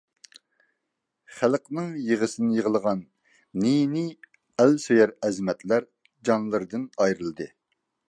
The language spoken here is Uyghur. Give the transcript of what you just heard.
خەلقنىڭ يىغىسىنى يىغلىغان نى-نى ئەل سۆيەر ئەزىمەتلەر جانلىرىدىن ئايرىلدى.